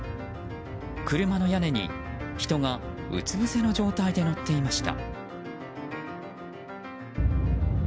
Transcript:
車の屋根に人がうつぶせの状態で乗っていました。